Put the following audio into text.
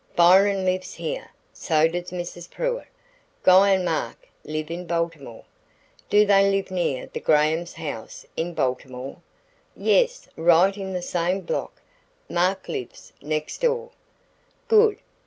"Byron lives here, so does Mrs. Pruitt. Guy and Mark live in Baltimore." "Do they live near the Graham's home in Baltimore?" "Yes, right in the same block. Mark lives next door." "Good.